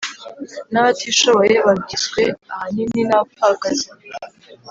N abatishoboye bagizwe ahanini n abapfakazi